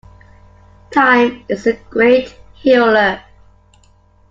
Time is a great healer.